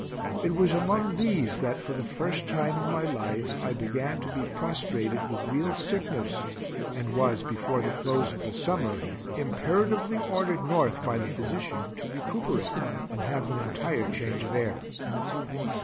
It was among these that, for the first time in my life, I began to be prostrated with real sickness, and was, before the close of the summer, imperatively ordered North by the physician to recuperate and have an entire change of air.